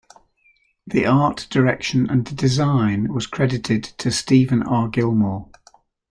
The art direction and design was credited to Steven R. Gilmore.